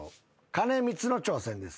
兼光の挑戦です。